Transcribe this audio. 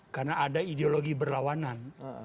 karena ada ideologi berlawanan